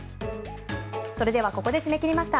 それではここで締め切りました。